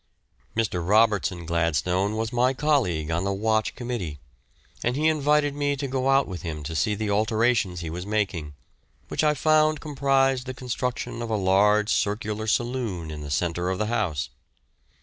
Mr. Robertson Gladstone was my colleague on the Watch Committee, and he invited me to go out with him to see the alterations he was making, which I found comprised the construction of a large circular saloon in the centre of the house.